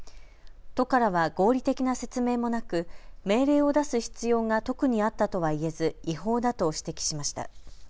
都からは合理的な説明もなく命令を出す必要が特にあったとはいえず違法だと指摘しました。